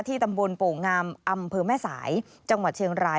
ตำบลโป่งงามอำเภอแม่สายจังหวัดเชียงราย